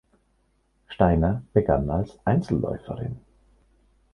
Steiner begann als Einzelläuferin.